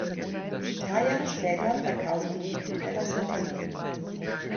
Drei Jahre später verkauften die Brüder das Unternehmen.